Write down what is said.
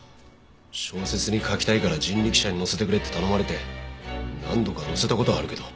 小説に書きたいから人力車に乗せてくれって頼まれて何度か乗せた事はあるけど。